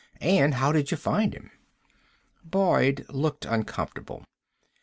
And how did you find him?" Boyd looked uncomfortable.